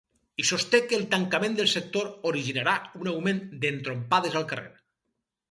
I sosté que el tancament del sector originarà un augment d’entrompades al carrer.